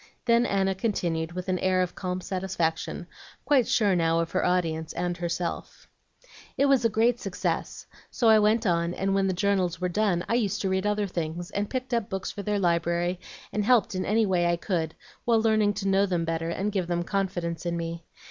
Then Anna continued, with an air of calm satisfaction, quite sure now of her audience and herself, "It was a great success. So I went on, and when the journals were done, I used to read other things, and picked up books for their library, and helped in any way I could, while learning to know them better and give them confidence in me.